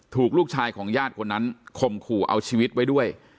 ถูกลูกชายของญาติคนนั้นข่มขู่เอาชีวิตไว้ด้วย